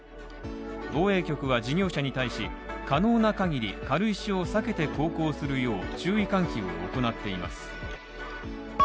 防衛局は事業者に対し、可能な限り軽石を避けて航行するよう注意喚起を行っています。